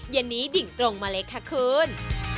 เย็นนี้ดิ่งตรงมาเล็กค่ะคืน